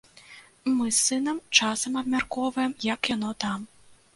Мы з сынам часам абмяркоўваем, як яно там.